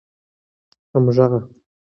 همږغه